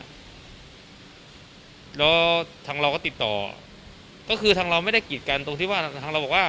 แล้วทางเราก็ติดต่อก็คือทางเราไม่ได้กีดกันตรงที่ว่าทางเราบอกว่า